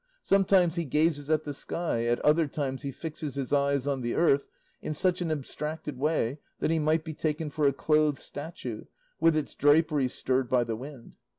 Sometimes he gazes at the sky, at other times he fixes his eyes on the earth in such an abstracted way that he might be taken for a clothed statue, with its drapery stirred by the wind.